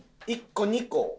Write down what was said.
１個２個。